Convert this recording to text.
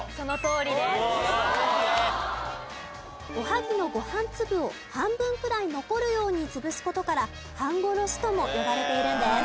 おはぎのご飯粒を半分くらい残るように潰す事から半殺しとも呼ばれているんです。